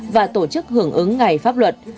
và tổ chức hưởng ứng ngày pháp luật